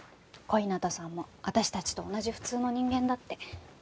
小日向さんも私たちと同じ普通の人間だって。